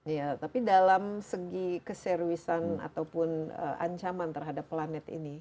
iya tapi dalam segi keseriusan ataupun ancaman terhadap planet ini